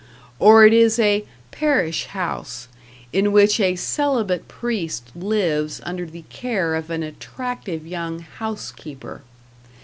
Or it is a "parish house", in which a celibate priest lives under the care of an attractive young "house keeper".